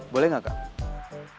boleh gak kak